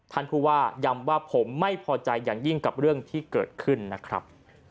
ท่านผู้ว่าย้ำว่าผมไม่พอใจอย่างยิ่งกับเรื่องที่เกิดขึ้นนะครับ